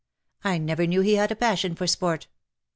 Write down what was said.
I never knew he had a passion for sport."